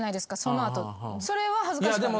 それは恥ずかしくない？